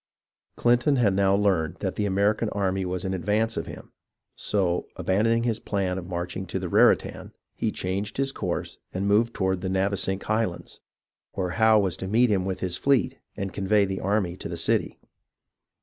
Clinton had now learned that the American army was in advance of him ; so, abandoning his plan of marching to the Raritan, he changed his course and moved toward the Navesink Highlands, where Howe was to meet him with his fleet and convey the army to the city.